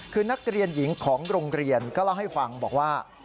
คือนักเรียนหญิงของโรงเรียนก็เล่าให้ฟังบอกว่า